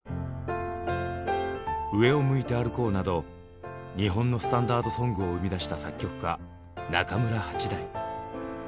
「上を向いて歩こう」など日本のスタンダードソングを生み出した作曲家中村八大。